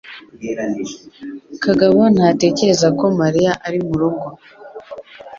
kagabo ntatekereza ko Mariya ari murugo.